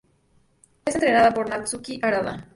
Es entrenada por Natsuki Harada.